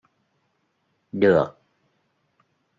được